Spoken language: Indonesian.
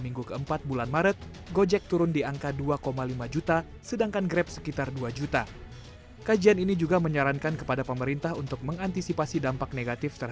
insight with desi anwar akan segera kembali